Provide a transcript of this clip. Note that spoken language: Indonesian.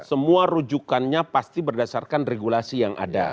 semua rujukannya pasti berdasarkan regulasi yang ada